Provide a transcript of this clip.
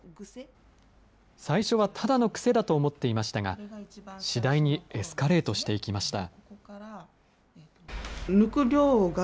最初はただの癖だと思っていましたが、次第にエスカレートしていきました。